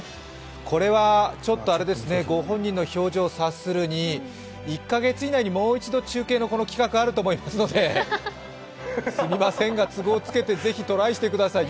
これは御本人の表情察するに１カ月以内にもう一度、この中継の企画があると思いますのですみませんが都合つけてぜひトライしてください。